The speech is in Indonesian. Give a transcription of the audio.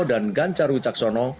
dan ganjar wicaksono